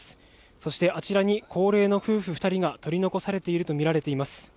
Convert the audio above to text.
そしてあちらに高齢の夫婦２人が取り残されているとみられています。